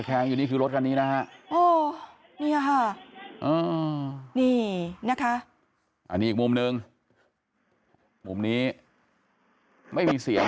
อันนี้นะคะอันนี้มุมนึงมุมนี้ไม่มีเสียง